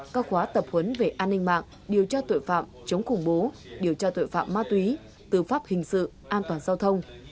các khóa tập huấn về an ninh mạng điều tra tội phạm chống khủng bố điều tra tội phạm ma túy tư pháp hình sự an toàn giao thông